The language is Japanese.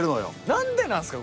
何でなんですか？